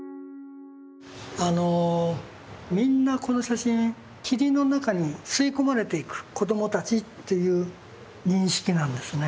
あのみんなこの写真霧の中に吸い込まれていく子どもたちという認識なんですね。